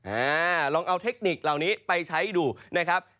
อ่าลองเอาเทคนิคเหล่านี้ไปใช้ดูนะครับ